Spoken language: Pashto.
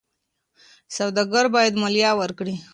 سوداګر باید مالیه ورکړي.